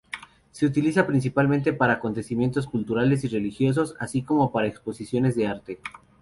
Se utiliza principalmente para acontecimientos culturales y religiosos, así como para exposiciones de arte.